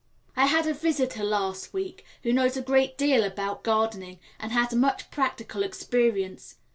I had a visitor last week who knows a great deal about gardening and has had much practical experience.